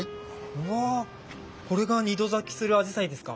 うわこれが２度咲きするアジサイですか。